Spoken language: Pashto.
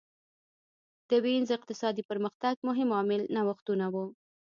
د وینز اقتصادي پرمختګ مهم عامل نوښتونه وو